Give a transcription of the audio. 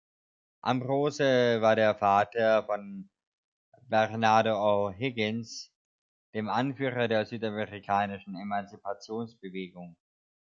Ambrose war der Vater von Bernardo O'Higgins, dem Anführer der südamerikanischen Emanzipationsbewegung.